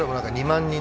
２万人？